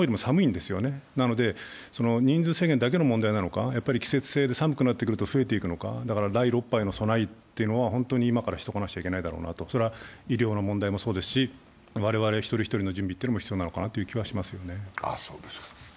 ですので、人数制限だけの問題なのか、季節性で寒くなっていくと増えていくのか、第６波への備えというのは、本当に今からしておかなくちゃいけないだろうなと。医療の問題もそうですし、我々一人一人の準備も必要なのではないかと思います。